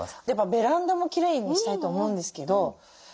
ベランダもきれいにしたいと思うんですけど。